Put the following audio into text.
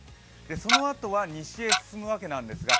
そのあとは西へ進むわけなんですが